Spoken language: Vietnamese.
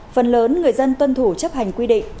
phần lớn người dân tuân thủ chấp hành quy định